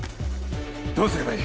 どうすればいい？